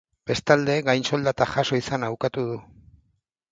Bestalde, gainsoldatak jaso izana ukatu du.